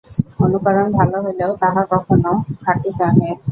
অনুকরণ ভাল হইলেও তাহা কখনও খাঁটি নহে।